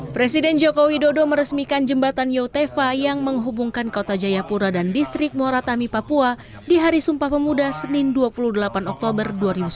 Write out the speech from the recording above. presiden joko widodo meresmikan jembatan yotefa yang menghubungkan kota jayapura dan distrik moratami papua di hari sumpah pemuda senin dua puluh delapan oktober dua ribu sembilan belas